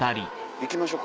行きましょう。